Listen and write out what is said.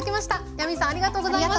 ヤミーさんありがとうございました。